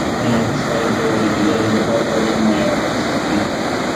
Un artist care teoretizează după arta lui nu mai e artist, ci critic.